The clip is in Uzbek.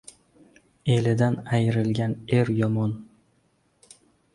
Elidan ayrilgan er yomon.